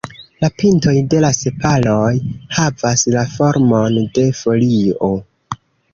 La pintoj de la sepaloj havas la formon de folio.